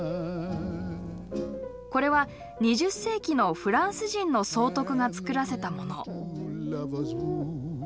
これは２０世紀のフランス人の総督がつくらせたもの。